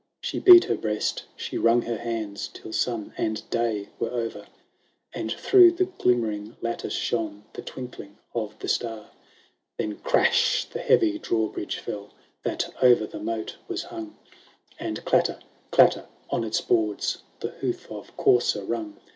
She beat her breast, she wrung her hands, Till sun and day were o'er, And through the glimmering lattice shone The twinkling of the star. XXIV Then, crash ! the heavy drawbridge fell, That o'er the moat was hung ; And, clatter ! clatter ! on its boards The hoof of courser rung.